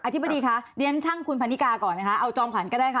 อธิบดีครับดิฉันช่างคุณธนิกาก่อนนะครับเอาจองผันก็ได้ค่ะ